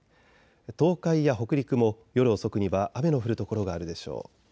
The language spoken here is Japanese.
東海や北陸も夜遅くには雨の降る所があるでしょう。